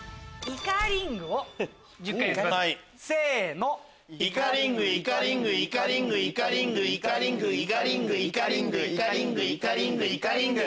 イカリングイカリングイカリングイカリングイカリングイカリングイカリングイカリングイカリングイカリング。